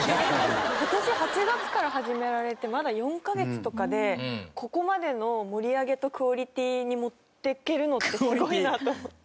今年８月から始められてまだ４カ月とかでここまでの盛り上げとクオリティーにもっていけるのってすごいなと思って。